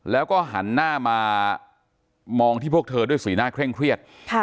แล้วก็หันหน้ามามองที่พวกเธอด้วยสีหน้าเคร่งเครียด